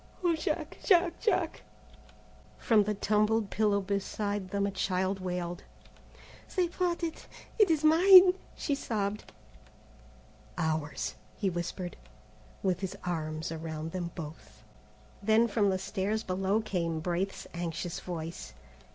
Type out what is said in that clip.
"O Jack! Jack! Jack!" From the tumbled pillow beside them a child wailed. "They brought it; it is mine," she sobbed. "Ours," he whispered, with his arms around them both. Then from the stairs below came Braith's anxious voice.